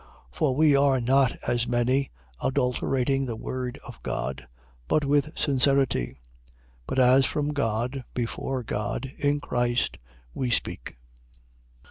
For we are not as many, adulterating the word of God: but with sincerity: but as from God, before God, in Christ we speak.